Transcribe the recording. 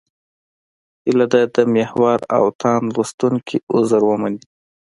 هیله ده د محور او تاند لوستونکي عذر ومني.